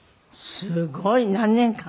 すごい。何年間？